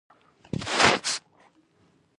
سرخ پارسا اوبه رڼې دي؟